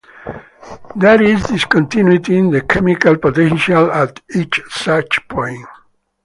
There is discontinuity in the chemical potential at each such point.